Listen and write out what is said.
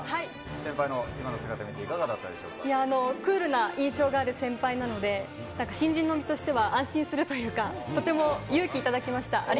先輩の今の姿見て、いかがだったクールな印象がある先輩なので、新人の身としては安心するというかとても勇気頂きました。